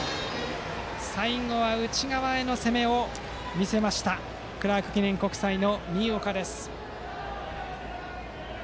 最後は内側への攻めを見せたクラーク記念国際の新岡。